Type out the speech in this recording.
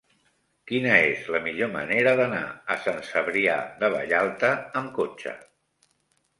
Quina és la millor manera d'anar a Sant Cebrià de Vallalta amb cotxe?